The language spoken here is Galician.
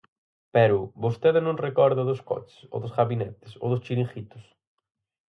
Pero ¿vostede non recorda o dos coches, o dos gabinetes, o dos chiringuitos?